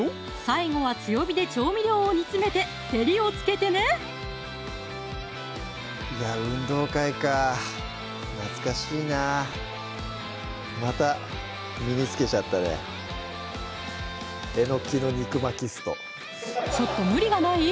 最後は強火で調味料を煮詰めて照りをつけてねいや運動会か懐かしいなまた身につけちゃったねちょっと無理がない？